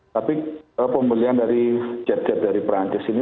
tapi pembelian dari jet jet dari perancis ini